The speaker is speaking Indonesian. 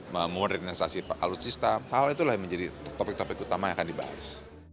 memodernisasi alutsista hal itulah yang menjadi topik topik utama yang akan dibahas